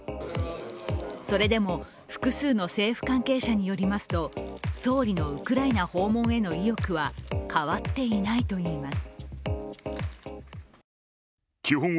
それでも複数の政府関係者によりますと総理のウクライナ訪問への意欲は変わっていないといいます。